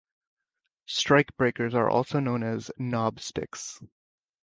Strikebreakers are also known as "knobsticks".